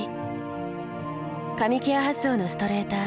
髪ケア発想のストレーター。